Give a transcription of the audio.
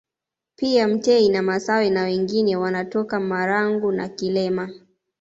Pia mtei na masawe na wengine wanatoka Marangu na Kilema